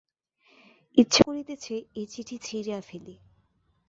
ইচ্ছা করিতেছে, এ চিঠি ছিঁড়িয়া ফেলি।